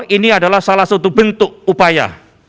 ini adalah salah satu bentuk upaya